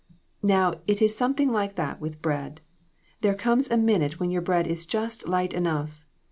Now, it is something like that with bread. There comes a minute when your bread is just light enough.